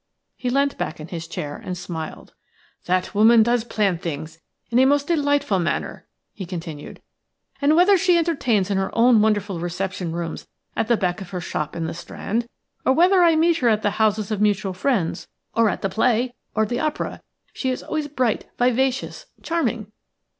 He leant back in his chair and smiled. "That woman does plan things in a most delightful manner," he continued, "and whether she entertains in her own wonderful reception rooms at the back of her shop in the Strand, or whether I meet her at the houses of mutual friends, or at the play, or the opera, she is always bright, vivacious, charming.